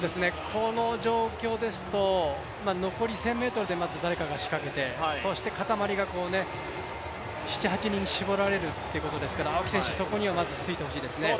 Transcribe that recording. この状況ですと残り１０００ｍでまず誰かが仕掛けて、そしてかたまりが７８人絞られるということですから青木選手、そこにはまずついててほしいですね。